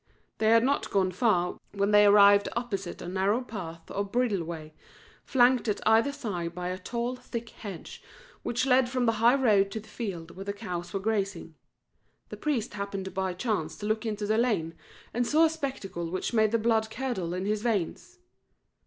They had not gone far, when they arrived opposite a narrow path or bridle way, flanked at either side by a tall, thick hedge, which led from the high road to the field where the cows were grazing. The priest happened by chance to look into the lane, and saw a spectacle which made the blood curdle in his veins.